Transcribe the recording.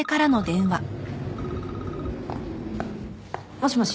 もしもし。